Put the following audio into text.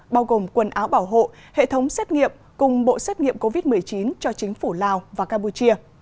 bao gồm quần áo bảo hộ hệ thống xét nghiệm cùng bộ xét nghiệm covid một mươi chín cho chính phủ lào và campuchia